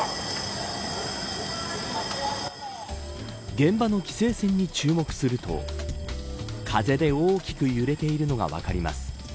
現場の規制線に注目すると風で大きく揺れているのが分かります。